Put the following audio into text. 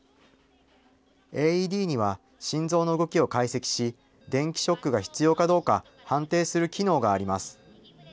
ＡＥＤには心臓の動きを解析し、電気ショックが必要かどうか判定する機能があります。